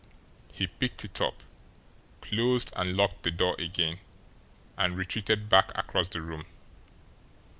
He picked it up, closed and locked the door again, and retreated back across the room.